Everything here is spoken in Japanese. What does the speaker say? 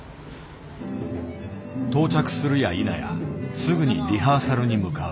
到着するやいなやすぐにリハーサルに向かう。